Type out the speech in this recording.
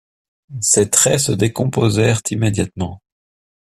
Ses traits se décomposèrent immédiatement.